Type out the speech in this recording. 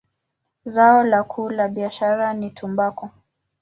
Zao lao kuu la biashara ni tumbaku.